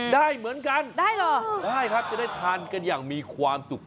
ได้เหมือนกันได้เหรอได้ครับจะได้ทานกันอย่างมีความสุข